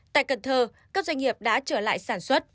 tại cần thơ các doanh nghiệp đã trở lại sản xuất